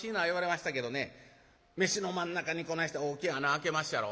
飯の真ん中にこないして大きい穴あけまっしゃろ。